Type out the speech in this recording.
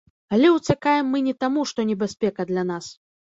Але ўцякаем мы не таму, што небяспека для нас.